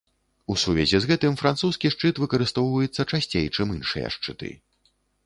У сувязі з гэтым французскі шчыт выкарыстоўваецца часцей, чым іншыя шчыты.